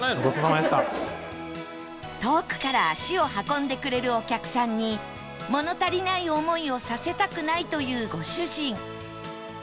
遠くから足を運んでくれるお客さんに物足りない思いをさせたくないというご主人